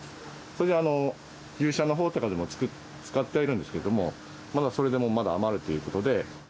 それで牛舎のほうとかでも使ってはいるんですけれども、まだそれでも、まだ余るということで。